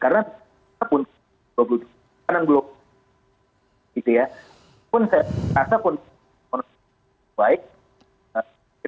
yang sifatnya kontra psikologi